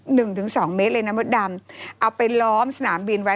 หนึ่งถึงสองเมตรเลยนะมดดำเอาไปล้อมสนามบินไว้